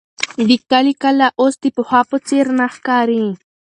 د کلي کلا اوس د پخوا په څېر نه ښکاري.